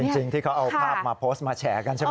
จริงที่เขาเอาภาพมาโพสต์มาแฉกันใช่ไหม